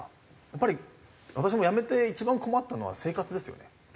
やっぱり私も辞めて一番困ったのは生活ですよね。